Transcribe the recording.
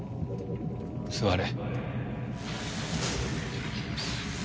座れ。